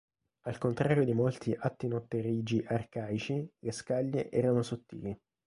Al contrario di molti attinotterigi arcaici, le scaglie erano sottili.